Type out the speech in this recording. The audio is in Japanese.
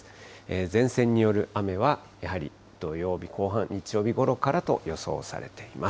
前線による雨は、やはり土曜日後半、日曜日ごろからと予想されています。